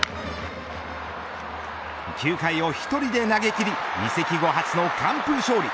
９回を１人で投げ切り移籍後初の完封勝利。